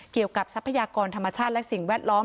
เกี่ยวกับทรัพยากรธรรมชาติและสิ่งแวดล้อม